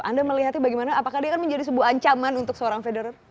anda melihatnya bagaimana apakah dia akan menjadi sebuah ancaman untuk seorang federer